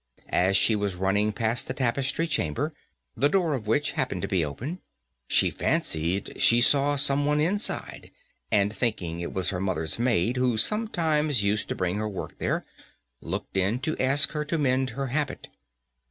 As she was running past the Tapestry Chamber, the door of which happened to be open, she fancied she saw some one inside, and thinking it was her mother's maid, who sometimes used to bring her work there, looked in to ask her to mend her habit.